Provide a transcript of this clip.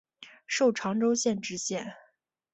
授长洲县知县。